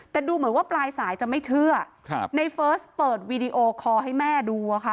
แต่ดูเหมือนว่าปลายสายจะไม่เชื่อในเฟิร์สเปิดวีดีโอคอร์ให้แม่ดูอะค่ะ